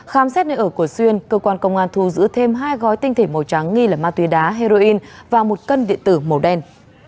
khám xét nơi ở của xuyên cơ quan công an thu giữ thêm hai gói tinh thể màu trắng nghi là ma túy đá heroin và một cân điện tử màu đen